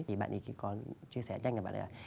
thì bạn ấy có chia sẻ nhanh là